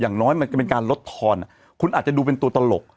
อย่างน้อยมันก็เป็นการลดทอนคุณอาจจะดูเป็นตัวตลก